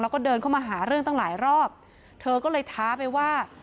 แล้วก็เดินเข้ามาหาเรื่องตั้งหลายรอบเธอก็เลยท้าไปว่า